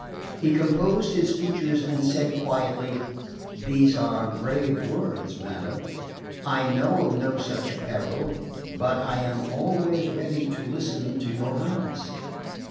He composed his features and said quietly: "These are grave words, madam. I know of no such peril but I am always ready to listen to your Highness."